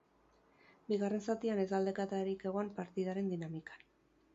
Bigarren zatian ez da aldaketarik egon partidaren dinamikan.